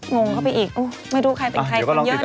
งงเข้าไปอีกไม่รู้ใครเป็นใครคนเยอะนะ